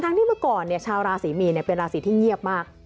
ที่เมื่อก่อนชาวราศีมีนเป็นราศีที่เงียบมาก